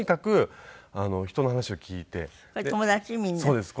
そうです。